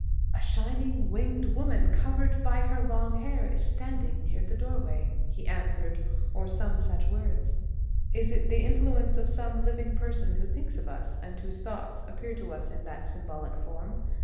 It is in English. ' A shining, winged woman, cov ered by her long hair, is standing near the doorway,' he answered, or some such words. 1 Is it the influence of some living person who thinks of us, and whose thoughts appear to us in that symbolic form